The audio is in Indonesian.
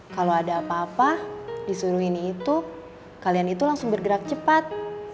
kalau ada apa apa disuruh ini itu kalian itu langsung bergerak cepat